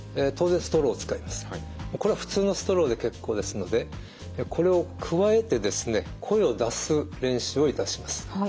これは普通のストローで結構ですのでこれをくわえて声を出す練習をいたします。